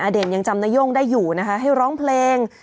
เด่นยังจำนโย่งได้อยู่นะคะให้ร้องเพลง